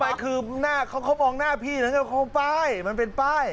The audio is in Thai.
ทำไมคือเขามองหน้าพี่แล้วเขามองป้ายมันเป็นป้าย